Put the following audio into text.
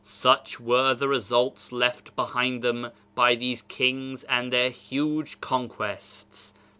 Such were the results left behind them by these kings and their huge conquests.